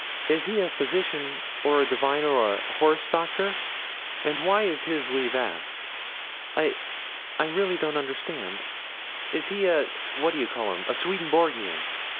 Is he a physician, or a divine, or a horse doctor? and why is his leave asked?' 'I I really don't understand.' 'Is he a what d'ye call'em a Swedenborgian?'